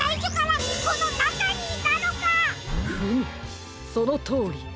フムそのとおり。